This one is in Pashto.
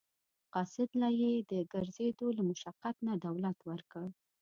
قاصد له یې د ګرځېدو له مشقت نه دولت ورکړ.